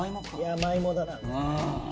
山芋だなぁ。